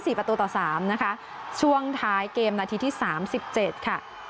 ประตูต่อสามนะคะช่วงท้ายเกมนาทีที่สามสิบเจ็ดค่ะ